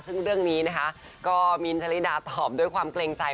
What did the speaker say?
ซึ่งเรื่องนี้นะคะก็มินชะลิดาตอบด้วยความเกรงใจ